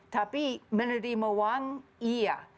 tapi menerima uang iya